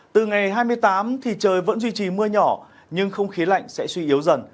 từ ngày hai mươi tám thì trời vẫn duy trì mưa nhỏ nhưng không khí lạnh sẽ suy yếu dần